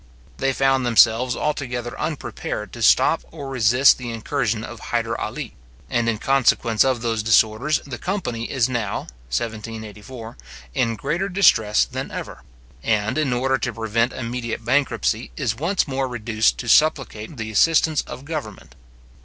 They found themselves altogether unprepared to stop or resist the incursion of Hyder Ali; and in consequence of those disorders, the company is now (1784) in greater distress than ever; and, in order to prevent immediate bankruptcy, is once more reduced to supplicate the assistance of government.